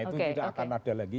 itu tidak akan ada lagi